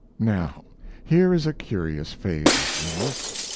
Now, here is a curious phase of genius.